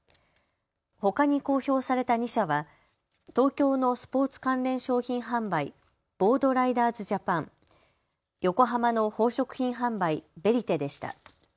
ほかに公表された２社は東京のスポーツ関連商品販売、ボードライダーズジャパン、横浜の宝飾品販売、ベリテでした。